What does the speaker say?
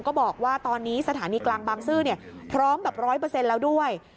ก็บอกว่าตอนนี้สถานีกลางบางซื่อพร้อมแบบ๑๐๐แล้วด้วย